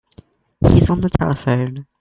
He's on the telephone.